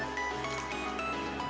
dan juga secara prasmanan